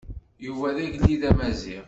Yuba d agellid Amaziɣ.